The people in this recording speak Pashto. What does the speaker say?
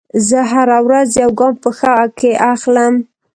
زه هره ورځ یو ګام په ښه کې اخلم.